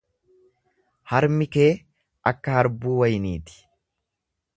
Harmi kee akka hurbuu waynii ti.